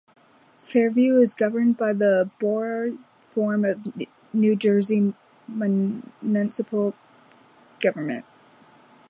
Fairview is governed under the Borough form of New Jersey municipal government.